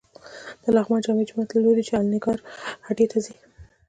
د لغمان جامع جومات له لوري چې الینګار هډې ته ځې.